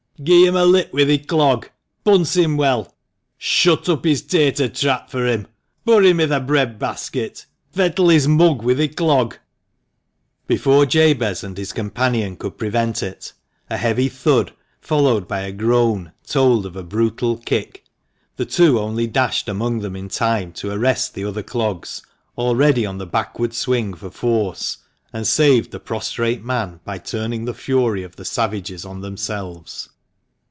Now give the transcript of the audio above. "Gie him a lick wi' thi clog!" " Punce him well!" "Shut up his tater trap fur him !"" Purr him i' th' bread basket !"" Fettle his mug wi' thi clog !" MANCHESTER MAN. 315 Before Jabez and his companion could prevent it, a heavy thud, followed by a groan, told of a brutal kick; the two only dashed among them in time to arrest the other clogs, already on the backward swing for force ; and saved the prostrate man by turning the fury of the savages on themselves.